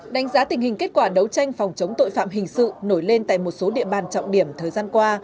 đánh giá tình hình kết quả đấu tranh phòng chống tội phạm hình sự nổi lên tại một số địa bàn trọng điểm thời gian qua